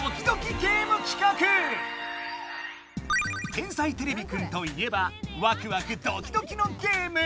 「天才てれびくん」といえばワクワクドキドキのゲーム。